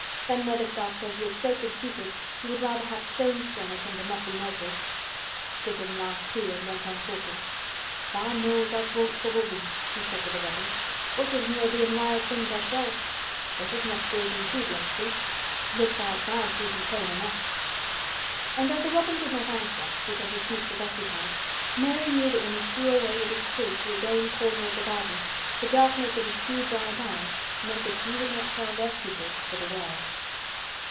Ben Weatherstaff says he is so conceited he would rather have stones thrown at him than not be noticed." Dickon laughed too and went on talking. "Tha' knows us won't trouble thee," he said to the robin. "Us is near bein' wild things ourselves. Us is nest buildin' too, bless thee. Look out tha' doesn't tell on us." And though the robin did not answer, because his beak was occupied, Mary knew that when he flew away with his twig to his own corner of the garden the darkness of his dew bright eye meant that he would not tell their secret for the world.